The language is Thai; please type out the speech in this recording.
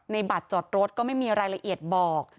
บัตรจอดรถก็ไม่มีรายละเอียดบอก